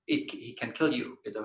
dia bisa membunuh anda gitu